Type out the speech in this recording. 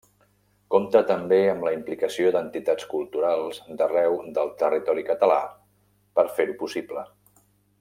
Compta també amb la implicació d’entitats culturals d’arreu del territori català per fer-ho possible.